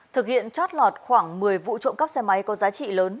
thực hiện trót lọt khoảng một mươi vụ trộm cắp xe máy có giá trị lớn